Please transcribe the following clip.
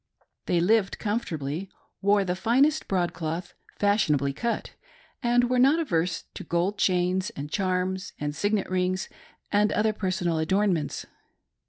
They lived comfortably, wore the finest broadcloth, fashionably cut, and were not averse to gold chains, and charms, and signet rings, and other personal adornments.